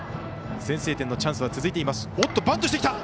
先制点のチャンスは続いています。